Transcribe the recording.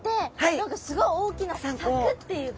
何かすごい大きな柵っていうか。